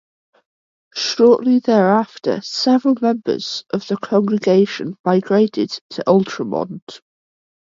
Shortly thereafter, several members of the congregation migrated to Altamont.